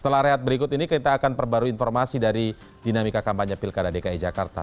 setelah rehat berikut ini kita akan perbarui informasi dari dinamika kampanye pilkada dki jakarta